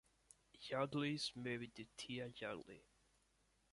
Yardley is married to Tia Yardley.